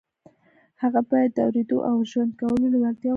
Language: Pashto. هغه بايد د اورېدو او ژوند کولو لېوالتیا ولري.